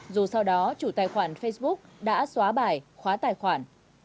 dù sau đó chủ tài khoản facebook đã xóa bài khóa tài khoản